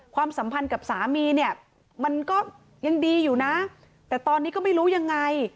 สัมพันธ์กับสามีเนี่ยมันก็ยังดีอยู่นะแต่ตอนนี้ก็ไม่รู้ยังไง